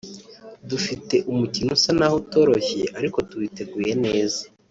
Dufite umukino usa naho utoroshye ariko tuwiteguye neza